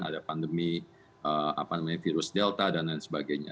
ada pandemi virus delta dan lain sebagainya